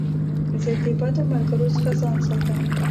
زه د بدو ملګرو څخه ځان ساتم.